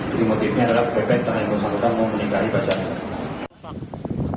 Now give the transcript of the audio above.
jadi motifnya adalah bebek dengan yang bersangkutan mau menikahi pasarnya